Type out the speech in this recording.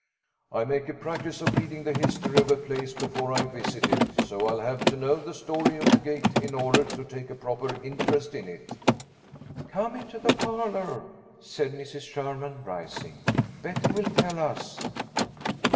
"I make a practice of reading the history of a place before I visit it, so I'll have to know the story of the gate in order to take a proper interest in it." "Come into the parlour," said Mrs. Sherman rising. "Betty will tell us."